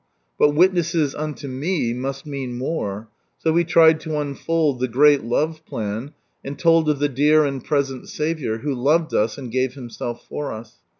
But "witnesses unto Afe" must mean more, so we tried lo unfold the great Love plan, and (old of the dear and present Saviour, who loved us and gave Him self for us.